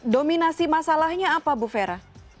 dominasi masalahnya apa ibu fera